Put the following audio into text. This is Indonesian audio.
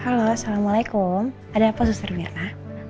halo assalamualaikum ada apa suster mirna